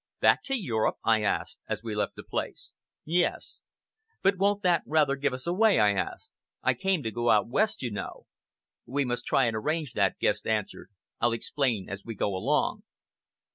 "Back to Europe?" I asked, as we left the place. "Yes!" "But won't that rather give us away?" I asked. "I came to go out West, you know." "We must try and arrange that," Guest answered. "I'll explain as we go along."